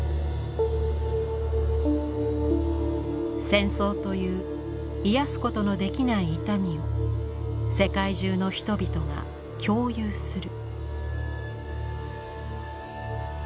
戦争という癒やすことのできない痛みを世界中の人々が共有する。